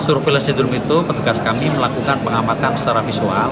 surveillance syndrome itu petugas kami melakukan pengamatan secara visual